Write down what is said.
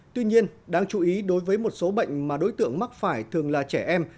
tuy nhiên đáng chú ý đối với một số bệnh mà đối tượng mắc phải thường là trẻ em